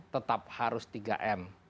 tetap harus tiga m